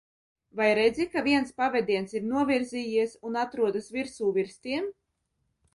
Vai redzi ka viens pavediens ir novirzījies un atrodas virsū virs tiem?